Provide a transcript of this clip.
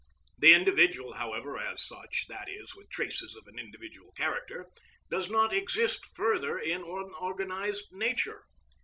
The individual, however, as such, that is, with traces of an individual character, does not exist further in unorganised nature.